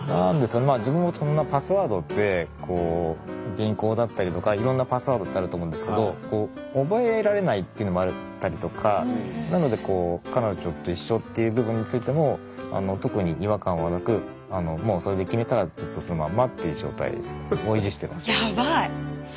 自分もそんなパスワードって銀行だったりとかいろんなパスワードってあると思うんですけど覚えられないっていうのもあったりとかなのでこうそれで決めたらずっとそのまんまっていう状態を維持してますね。